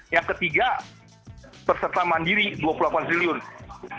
yang ketiga peserta mandiri rp dua puluh delapan